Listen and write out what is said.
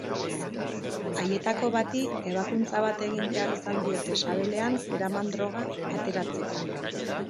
Haietako bati ebakuntza bat egin behar izan diote sabelean zeraman droga ateratzeko.